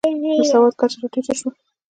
د سواد کچه راټیټه شوه.